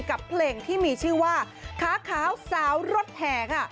กับเพลงที่มีชื่อว่าค้าขาวสาวรถแห่ค่ะ